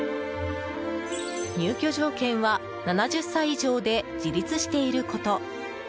入居条件は７０歳以上で自立していること。